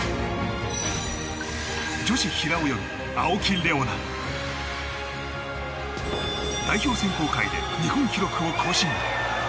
女子平泳ぎ、青木玲緒樹。代表選考会で日本記録を更新。